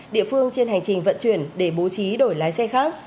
địa phương trên hành trình vận chuyển để bố trí đổi lái xe khác